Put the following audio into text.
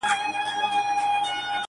چي په وینو یې د ورور سره وي لاسونه!